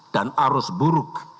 dan arus buruk